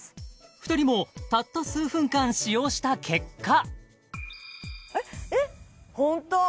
２人もたった数分間使用した結果ホント！